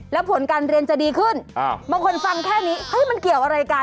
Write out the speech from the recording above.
แล้วผลการเรียนจะดีขึ้นบางคนฟังแค่นี้มันเกี่ยวอะไรกัน